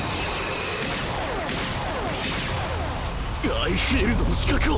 Ｉフィールドの死角を。